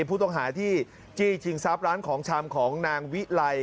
ผู้ต้องหาที่จี้จิงซับร้านของชามของนางวิไล่